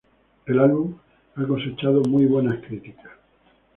El álbum ha cosechado muy buenas críticas.